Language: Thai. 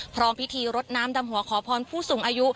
พร้อมพิธีรดน้ำดำหัวขอพรผู้สูงอายุ